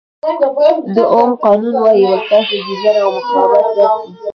د اوم قانون وایي ولټاژ د جریان او مقاومت ضرب دی.